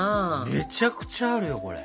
めちゃくちゃあるよこれ。